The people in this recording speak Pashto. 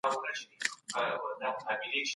اقتصاد د ټولنې په جوړښت کې اساسي رول لري.